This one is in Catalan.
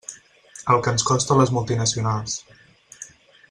El que ens costen les multinacionals.